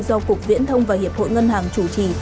do cục viễn thông và hiệp hội ngân hàng chủ trì